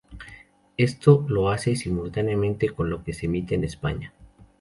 Esto lo hace simultáneamente con lo que se emite en España.